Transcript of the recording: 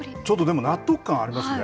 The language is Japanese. でも納得感ありますね。